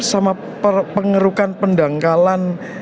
sama pengerukan pendangkalan